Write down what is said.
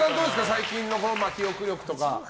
最近の記憶力とかは？